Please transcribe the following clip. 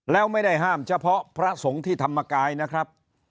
แล้วไม่ได้ห้ามเฉพาะพระสงฆ์ที่ธรรมกายนะครับ